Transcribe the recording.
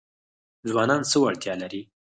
ځوانان څه وړتیا لري؟